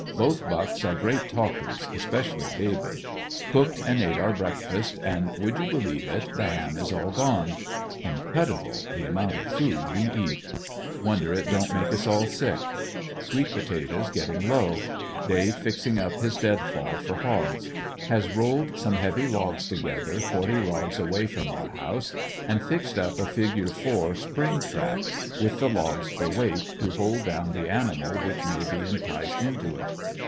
Both Bucks are great talkers, especially David. Cooked and ate our breakfast, and would you believe it the ham is all gone. Incredible, the amount of food we eat. Wonder it don't make us all sick. Sweet potatoes getting low. Dave fixing up his dead fall for hogs. Has rolled some heavy logs together forty rods away from our house, and fixed up a figure four spring trap, with the logs for weight to hold down the animal which may be enticed into it.